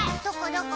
どこ？